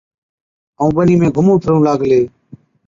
ائُون ٻنِي ۾ گھُمُون ڦرُون لاگلي۔